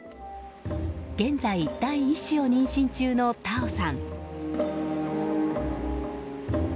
現在、第１子を妊娠中の太鳳さん。